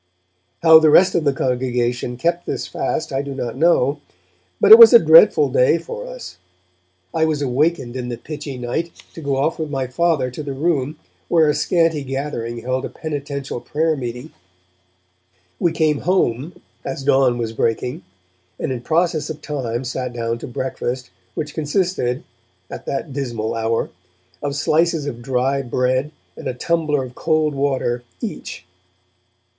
How the rest of the congregation kept this fast I do not know. But it was a dreadful day for us. I was awakened in the pitchy night to go off with my Father to the Room, where a scanty gathering held a penitential prayer meeting. We came home, as dawn was breaking, and in process of time sat down to breakfast, which consisted at that dismal hour of slices of dry bread and a tumbler of cold water each.